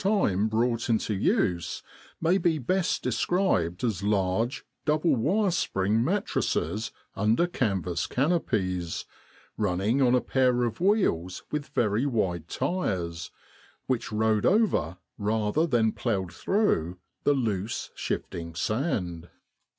in Egypt brought into use, may be best described as large, double wire spring mattresses under canvas canopies, running on a pair of wheels with very wide tyres, which rode over, rather than ploughed through, the loose, shifting sand.